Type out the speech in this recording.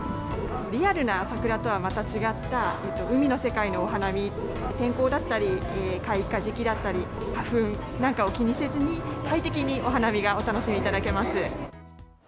リアルな桜とはまた違った、海の世界のお花見、天候だったり、開花時期だったり、花粉なんかを気にせずに、快適にお花見がお楽しみいただけます。